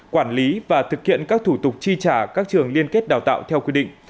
quản lý và thực hiện các thủ tục chi trả các trường liên kết đào tạo theo quy định